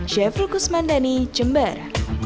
chef rukus mandani jember